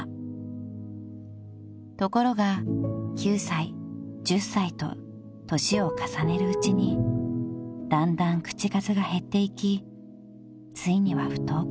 ［ところが９歳１０歳と年を重ねるうちにだんだん口数が減っていきついには不登校に］